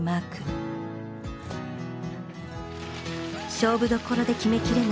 勝負どころで決めきれない